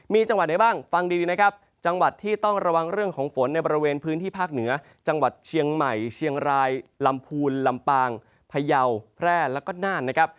มีจังหวัดไหนบ้างฟังดีนะครับจังหวัดที่ต้องระวังเรื่องของฝนในบริเวณพื้นที่ภาคเหนือจังหวัดเชียงใหม่เชียงรายลำพูนลำปางพยาวแพร่แล้วก็น่านนะครับ